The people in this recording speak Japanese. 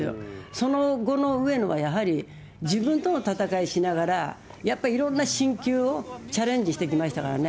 その後の上野はやはり自分との戦いしながら、やっぱりいろんな新球をチャレンジしてきましたからね。